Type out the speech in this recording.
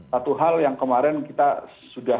satu hal yang kemarin kita sudah